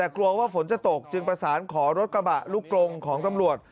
กลัวว่าฝนจะตกจึงประสานขอรถกระบะลูกกลงของตำรวจ